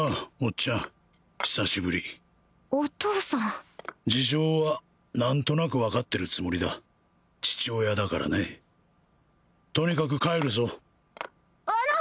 っちゃん久しぶりお父さん事情は何となく分かってるつもりだ父親だからねとにかく帰るぞあの！